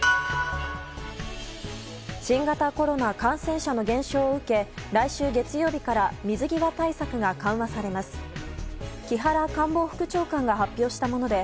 新型コロナウイルス感染者の減少を受け来週月曜日から水際対策が緩和されます。